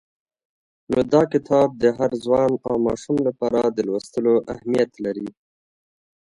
نو دا کتاب د هر ځوان او ماشوم لپاره د لوستلو اهمیت لري.